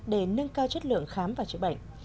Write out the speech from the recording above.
để nâng cao chất lượng khám và chữa bệnh